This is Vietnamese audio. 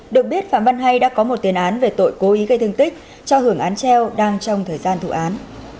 được biết phạm văn hay đã có một tiền án về tội cố ý gây thương tích cho hưởng án treo đang trong thời gian thủ án